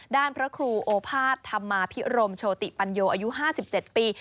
พระครูโอภาษธรรมาพิรมโชติปัญโยอายุ๕๗ปี